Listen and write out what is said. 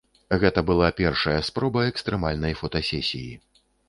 Гэта была першая спроба экстрэмальнай фотасесіі.